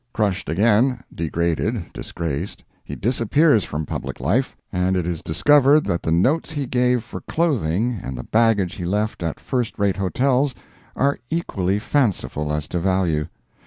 Crushed again—degraded, disgraced—he disappears from public life, and it is discovered that the notes he gave for clothing, and the baggage he left at first class hotels, are equally fanciful as to value.